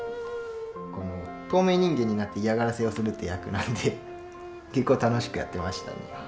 この透明人間になって嫌がらせをするという役なんで結構楽しくやってましたね。